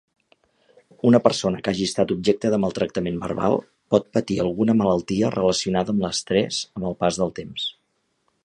Una persona que hagi estat objecte de maltractament verbal pot patir alguna malaltia relacionada amb l'estrès amb el pas del temps.